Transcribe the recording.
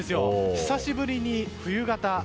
久しぶりに冬型